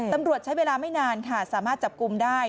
ตำรวจใช้เวลาไม่นานค่ะสามารถจับกลุ่มได้